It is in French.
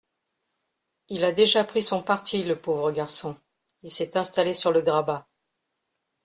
Il a déjà pris son parti le pauvre garçon ; il s'est installé sur le grabat.